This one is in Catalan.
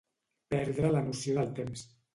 Perdre la noció del temps.